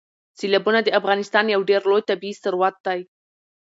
سیلابونه د افغانستان یو ډېر لوی طبعي ثروت دی.